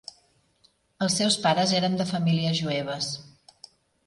Els seus pares eren de famílies jueves.